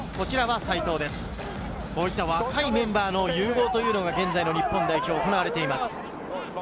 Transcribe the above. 若いメンバーの融合というのが現在の日本代表で行われています。